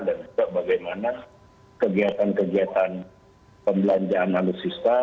dan juga bagaimana kegiatan kegiatan pembelanjaan alutsista